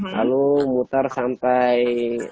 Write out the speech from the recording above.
lalu muter sampai